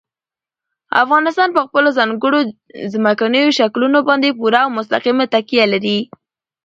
افغانستان په خپلو ځانګړو ځمکنیو شکلونو باندې پوره او مستقیمه تکیه لري.